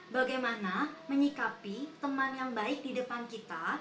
bagaimana menyikapi teman yang baik di depan kita